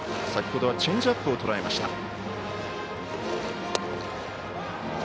先ほどはチェンジアップをとらえました。